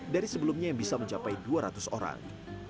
dari sebelumnya yang bisa mencapai dua ratus orang